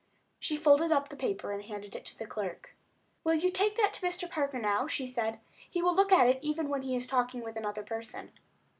She folded up the paper and handed it to the clerk. "Will you take that to Mr. Parker now?" she said. "He will look at it even while he is talking with another person."